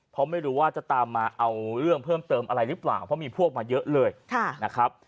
เพราะไม่รู้ว่าจะตามมาเอาเรื่องเพิ่มเติมอะไรหรือเปล่าเพราะมีพวกมาเยอะเลยนะครับ